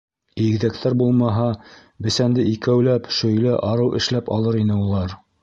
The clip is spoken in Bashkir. Игеҙәктәр булмаһа, бесәнде икәүләп шөйлә арыу эшләп алыр ине улар.